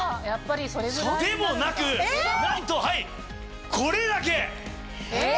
でもなくなんとこれだけ！え！